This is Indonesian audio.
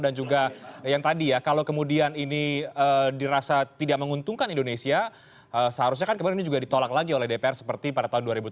dan juga yang tadi ya kalau kemudian ini dirasa tidak menguntungkan indonesia seharusnya kan kemudian ini juga ditolak lagi oleh dpr seperti pada tahun dua ribu tujuh silam